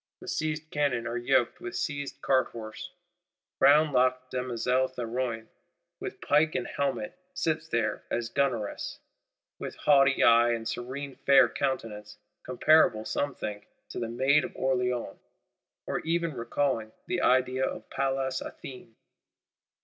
The seized cannon are yoked with seized cart horses: brown locked Demoiselle Théroigne, with pike and helmet, sits there as gunneress, "with haughty eye and serene fair countenance;" comparable, some think, to the Maid of Orléans, or even recalling "the idea of Pallas Athene."